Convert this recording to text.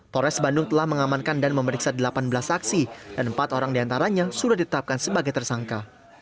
polres bandung telah mengamankan dan memeriksa delapan belas saksi dan empat orang diantaranya sudah ditetapkan sebagai tersangka